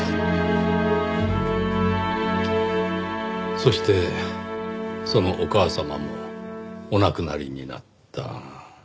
そしてそのお母様もお亡くなりになった。